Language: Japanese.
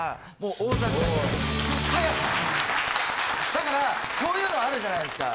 だからこういうのあるじゃないですか。